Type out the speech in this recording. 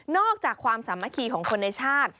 จากความสามัคคีของคนในชาติ